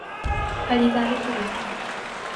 Calidade turística.